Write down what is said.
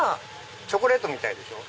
チョコレートみたいでしょ？